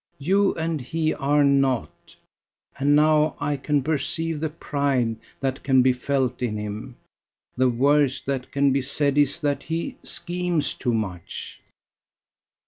You and he are not: and now I can perceive the pride that can be felt in him. The worst that can be said is that he schemes too much."